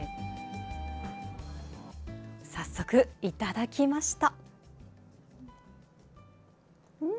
早速、いただきました。